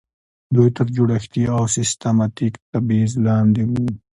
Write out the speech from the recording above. دوی تر جوړښتي او سیستماتیک تبعیض لاندې وو.